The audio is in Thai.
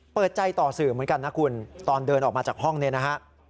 เปิดใจต่อสื่อเหมือนกันนะคุณตอนเดินออกมาจากห้องเนี่ยนะฮะ